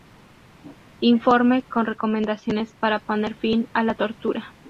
Informe con recomendaciones para poner fin a la tortura.